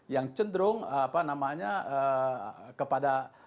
yang cenderung kepada